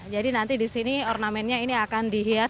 jadi nanti di sini ornamennya ini akan dihilangkan